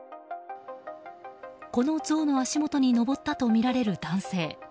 この像の足元に登ったとみられる男性。